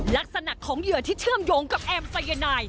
ลักษณะของเหยื่อที่เชื่อมโยงกับแอมสายนาย